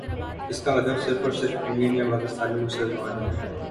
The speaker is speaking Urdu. اس کا ہدف صرف اور صرف انڈین یا پاکستانی مسلمان ہیں۔